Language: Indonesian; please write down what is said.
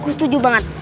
aku setuju banget